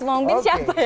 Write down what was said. wong bin siapa ya